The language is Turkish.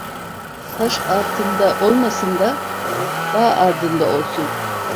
Taş altında olmasın da dağ ardında olsun.